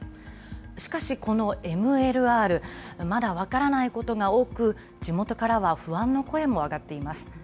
しかしこのＭＬＲ、まだ分からないことが多く、地元からは不安の声も上がっています。